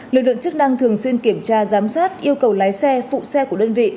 lực lượng chức năng thường xuyên kiểm tra giám sát yêu cầu lái xe phụ xe của đơn vị